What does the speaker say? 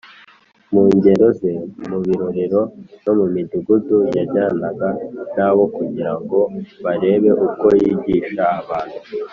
.” Mu ngendo ze mu birorero no mu midugudu yajyanaga nabo, kugira ngo barebe uko yigisha abantu